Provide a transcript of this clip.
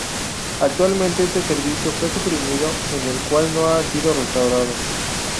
Actualmente este servicio fue suprimido en el cual no ha sido restaurado.